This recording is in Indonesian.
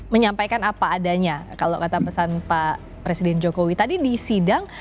menyampaikan apa adanya kalau kata pesan pak presiden jokowi tadi di sidang